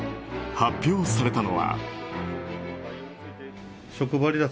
発表されたのは。